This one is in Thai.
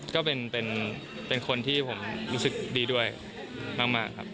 ก็เป็นคนที่ผมรู้สึกดีด้วยมากครับ